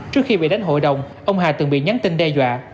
trước khi bị đánh hội đồng ông hà từng bị nhắn tin đe dọa